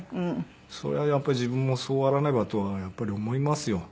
それはやっぱり自分もそうあらねばとは思いますよ。